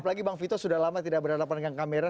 apalagi bang vito sudah lama tidak berhadapan dengan kamera